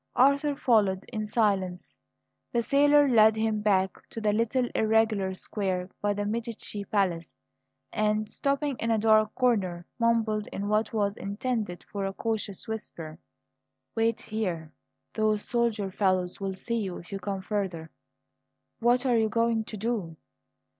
Arthur followed in silence. The sailor led him back to the little irregular square by the Medici palace; and, stopping in a dark corner, mumbled in what was intended for a cautious whisper: "Wait here; those soldier fellows will see you if you come further." "What are you going to do?"